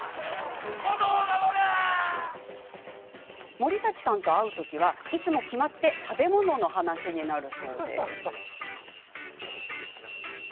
森崎さんと会う時はいつも決まって食べ物の話になるそうです。